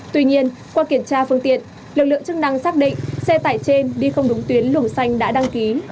tuy nhiên qua kiểm tra phương tiện lực lượng chức năng xác định xe tải trên đi không đúng tuyến luồng xanh đã đăng ký